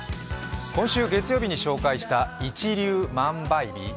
今週月曜日に紹介した一粒万倍日。